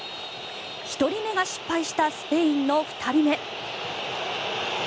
１人目が失敗したスペインの２人目。